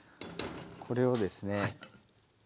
これをですね